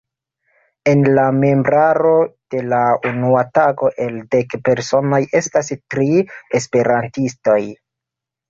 En la membraro de la unua tago el dek personoj estas tri esperantistoj.